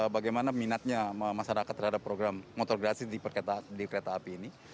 bagaimana minatnya masyarakat terhadap program motor gratis di kereta api ini